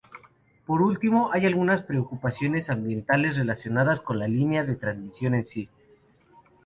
Por último, hay algunas preocupaciones ambientales relacionadas con la línea de transmisión en sí.